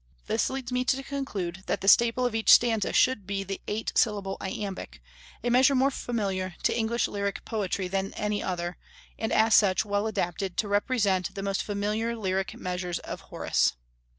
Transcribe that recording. This leads me to conclude that the staple of each stanza should be the eight syllable iambic, a measure more familiar to English lyric poetry than any other, and as such well adapted to represent the most familiar lyric measures of Horace.